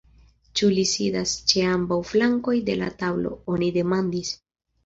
Ĉu li sidas ĉe ambaŭ flankoj de la tablo, oni demandis.